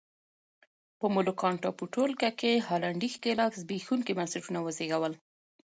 په مولوکان ټاپو ټولګه کې هالنډي ښکېلاک زبېښونکي بنسټونه وزېږول.